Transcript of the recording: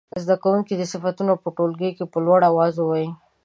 زده کوونکي دې صفتونه په ټولګي کې په لوړ اواز ووايي.